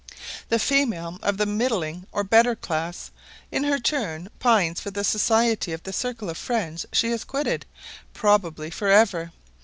The female of the middling or better class, in her turn, pines for the society of the circle of friends she has quitted, probably for ever.